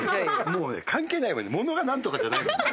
もうね関係ないものが何とかじゃないもんね。